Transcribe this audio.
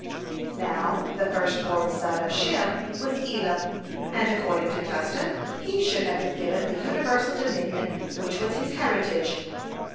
Now, the first born son of Shem was Elam, and, according to custom, he should have been given the universal dominion which was his heritage.